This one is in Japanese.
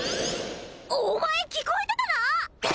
お前聞こえてたな！